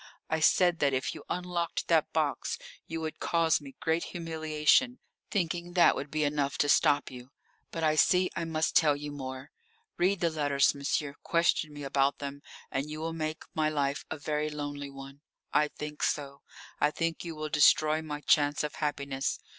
I said that if you unlocked that box you would cause me great humiliation, thinking that would be enough to stop you. But I see I must tell you more. Read the letters, monsieur, question me about them, and you will make my life a very lonely one. I think so. I think you will destroy my chance of happiness.